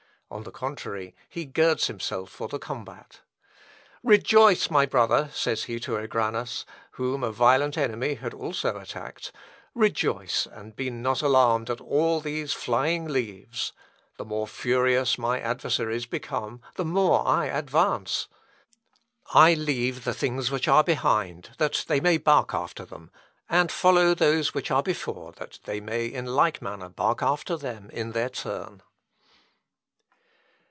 On the contrary, he girds himself for the combat. "Rejoice, my brother," says he to Egranus, whom a violent enemy had also attacked; "rejoice, and be not alarmed at all these flying leaves. The more furious my adversaries become, the more I advance. I leave the things which are behind, that they may bark after them, and follow those which are before, that they may in like manner bark after them in their turn."